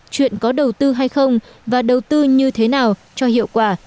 chuyện có đầu tư hay không và đầu tư như thế nào cho hiệu quả